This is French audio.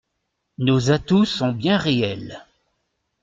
Nos atouts sont bien réels.